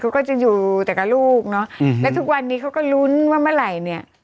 เขาก็จะอยู่แต่กับลูกและทุกวันนี้เขาก็ลุ้นว่าเมื่อไหร่